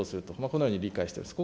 このように理解しております。